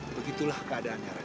begitulah keadaannya rakyat